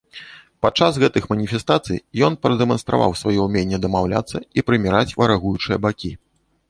Падчас гэтых маніфестацый ён прадэманстраваў сваё ўменне дамаўляцца і прыміраць варагуючыя бакі.